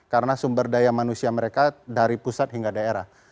karena sumber daya manusia mereka dari pusat hingga daerah